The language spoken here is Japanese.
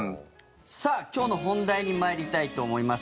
さあ、今日の本題に参りたいと思います。